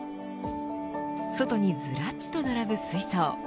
外にずらっと並ぶ水槽。